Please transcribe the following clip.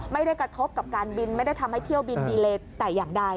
ไม่ได้กระทบกับการบินไม่ได้ทำให้เที่ยวบินดีเลยแต่อย่างใด